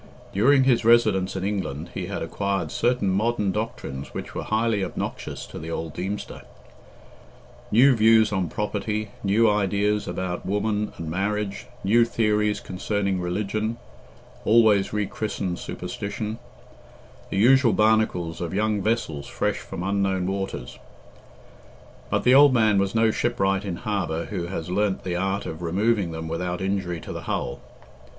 During his residence in England, he had acquired certain modern doctrines which were highly obnoxious to the old Deemster. New views on property, new ideas about woman and marriage, new theories concerning religion (always re christened superstition), the usual barnacles of young vessels fresh from unknown waters; but the old man was no shipwright in harbour who has learnt the art of removing them without injury to the hull.